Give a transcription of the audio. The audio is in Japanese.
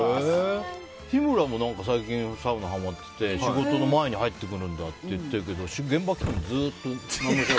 日村も最近サウナにはまってて仕事の前に入ってくるんだって言ってるけど現場来てもずっとこう。